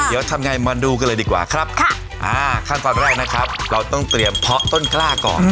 เดี๋ยวทำไงมาดูกันเลยดีกว่าครับค่ะอ่าขั้นตอนแรกนะครับเราต้องเตรียมเพาะต้นกล้าก่อน